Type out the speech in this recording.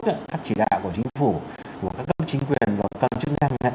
các chỉ đạo của chính phủ của các cấp chính quyền và các chức năng